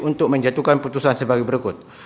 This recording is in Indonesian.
untuk menjatuhkan putusan sebagai berikut